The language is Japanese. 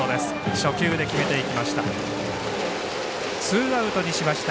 初球で決めていきました。